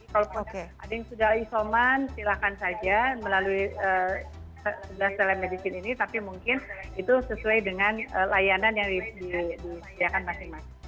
jadi kalau ada yang sudah isoman silakan saja melalui sebelas telemedicine ini tapi mungkin itu sesuai dengan layanan yang disediakan masing masing